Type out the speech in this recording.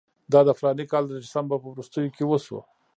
دا د فلاني کال د ډسمبر په وروستیو کې وشو.